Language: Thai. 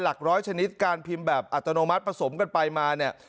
หลักร้อยชนิดการพิมพ์แบบอัตโนมัติผสมกันไปมาเนี่ย